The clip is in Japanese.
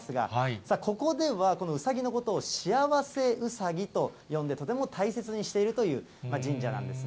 さあ、ここではこのうさぎのことを、幸せうさぎと呼んで、とても大切にしているという神社なんですね。